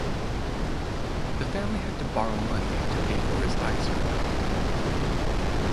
The family had to borrow money to pay for his eye surgery.